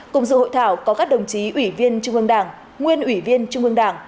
cùng dự hội thảo có các đồng chí ủy viên trung ương đảng nguyên ủy viên trung ương đảng